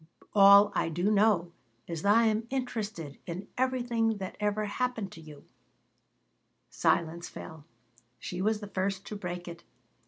"All I do know is that I am interested in everything that ever happened to you Silence fell. She was the first to break it.